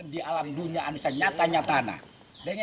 di alam dunia anusnya nyata nyata